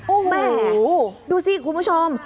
โอ้โฮดูสิคุณผู้ชม